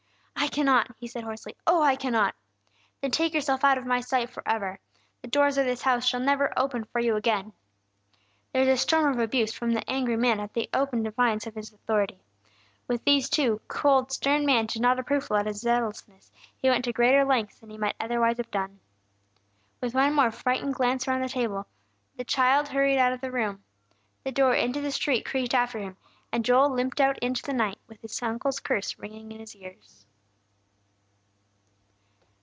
"I cannot!" he said hoarsely. "Oh, I cannot!" "Then take yourself out of my sight forever. The doors of this house shall never open for you again!" There was a storm of abuse from the angry man at this open defiance of his authority. With these two cold, stern men to nod approval at his zealousness, he went to greater lengths than he might otherwise have done. With one more frightened glance around the table, the child hurried out of the room. The door into the street creaked after him, and Joel limped out into the night, with his uncle's curse ringing in his ears.